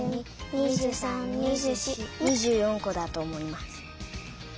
２４こだとおもいます。